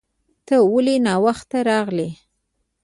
ته ولې ناوخته راغلې